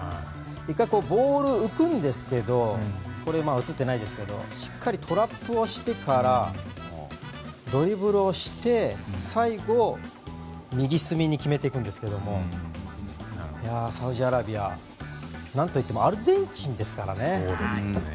１回、ボール浮くんですけどしっかりトラップをしてからドリブルをして、最後右隅に決めていくんですがサウジアラビア、何といってもアルゼンチンですからね。